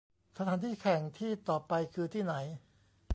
สถานที่แข่งที่ต่อไปคือที่ไหน